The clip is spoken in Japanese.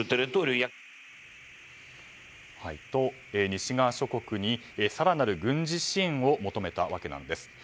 西側諸国に更なる軍事支援を求めたんです。